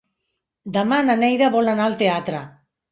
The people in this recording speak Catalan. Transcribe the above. Demà na Neida vol anar al teatre.